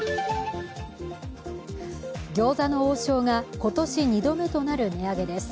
餃子の王将が今年２度目となる値上げです。